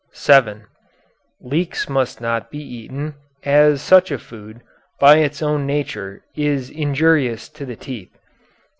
(7) Leeks must not be eaten, as such a food, by its own nature, is injurious to the teeth.